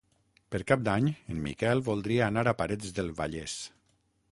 Per Cap d'Any en Miquel voldria anar a Parets del Vallès.